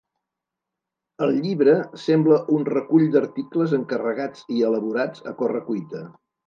El llibre sembla un recull d'articles encarregats i elaborats a corre cuita.